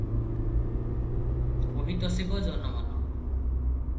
କହି ତୋଷିବ ଜନମନ ।